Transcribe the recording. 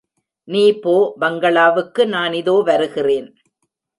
நீ போ பங்களாவுக்கு நான் இதோ வருகிறேன்.